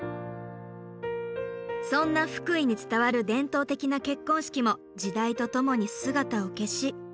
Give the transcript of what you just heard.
そんな福井に伝わる伝統的な結婚式も時代とともに姿を消し。